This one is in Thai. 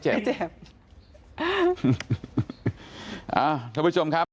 เจ็บทุกผู้ชมครับ